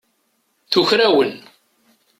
Tuker-awen.